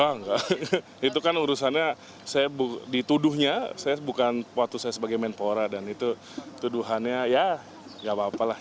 enggak itu kan urusannya saya dituduhnya saya bukan waktu saya sebagai menpora dan itu tuduhannya ya gak apa apa lah